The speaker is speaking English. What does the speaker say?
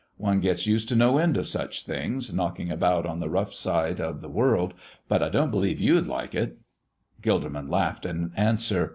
One gets used to no end of such things knocking about on the rough side of the world, but I don't believe you'd like it." Gilderman laughed in answer.